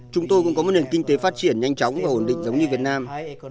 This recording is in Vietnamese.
chúng tôi cũng có một nền kinh tế phát triển nhanh chóng và ổn định giống như việt nam